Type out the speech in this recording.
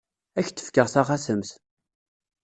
Ad ak-d-fkeɣ taxatemt.